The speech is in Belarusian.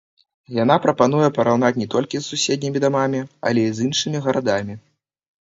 Яна прапануе параўнаць не толькі з суседнімі дамамі, але і з іншымі гарадамі.